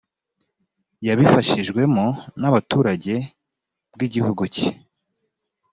yabifashijwemo n abaturage bw igihugu ke